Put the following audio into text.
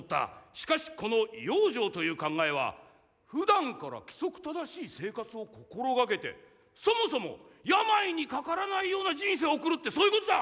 しかしこの「養生」という考えはふだんから規則正しい生活を心がけてそもそも病にかからないような人生を送るってそういうことだ！